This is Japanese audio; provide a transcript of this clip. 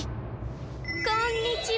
こんにちは。